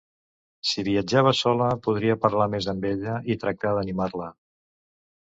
Si viatjava sola, podria parlar més amb ella i tractar d'animar-la.